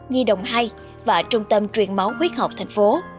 nhi đồng hai và trung tâm truyền máu huyết học thành phố